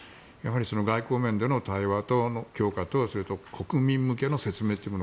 外交面での対話の強化とそれと国民向けの説明